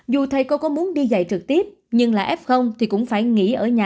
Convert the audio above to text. dù thầy cô có muốn đi dạy trực tiếp nhưng là f thì cũng phải nghỉ ở nhà